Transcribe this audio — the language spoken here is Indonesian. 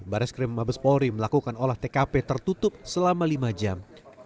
baris krim mabes polri melakukan olah tkp tertutup selama lima jam